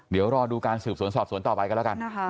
เดี๋ยวรอดูการสืบสวนสอบสวนต่อไปกันแล้วกัน